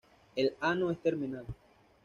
El ano es terminal.